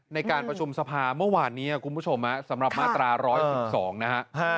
ในการประชุมสภาเมื่อวานนี้คุณผู้ชมสำหรับมาตรา๑๑๒นะฮะ